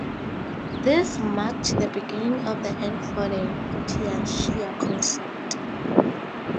This marked the beginning of the end for the "tianxia" concept.